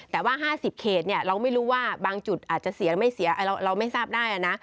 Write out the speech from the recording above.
แต่ว่า๕๐เขตเราไม่รู้ว่าบางจุดอาจจะเสียไม่เสียเราไม่ทราบได้นะ